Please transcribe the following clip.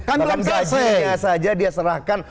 kan langsung aja dia serahkan